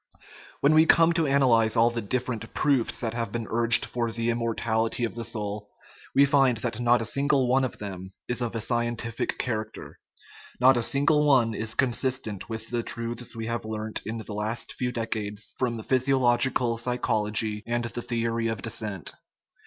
When we come to analyze all the different proofs that have been urged for the immortality of the soul, we find that not a single one of them is of a scientific character ; not a single one is consistent with the truths we have learned in the last few decades from physiological psy chology and the theory of descent.